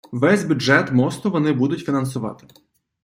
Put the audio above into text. Весь бюджет мосту вони будуть фінансувати.